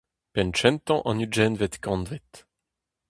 Penn kentañ an ugentvet kantved.